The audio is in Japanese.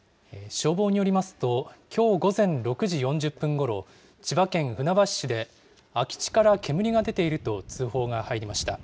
消防によりますと、きょう午前６時４０分ごろ、千葉県船橋市で、空き地から煙が出ていると通報が入りました。